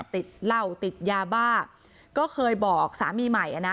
ติดเหล้าติดยาบ้าก็เคยบอกสามีใหม่อ่ะนะ